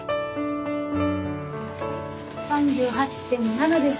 ３８．７です。